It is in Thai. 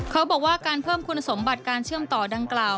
เขาบอกว่าการเพิ่มคุณสมบัติการเชื่อมต่อดังกล่าว